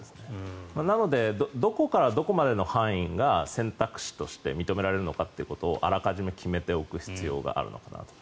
なのでどこからどこまでの範囲が選択肢として認められるのかということをあらかじめ決めておく必要があるのかなと。